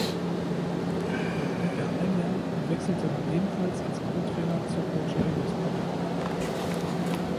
Dort blieb er ein Jahr und wechselte dann ebenfalls als Co-Trainer zu Kocaelispor.